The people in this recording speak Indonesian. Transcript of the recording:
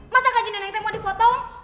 masa gaji neneknya mau dipotong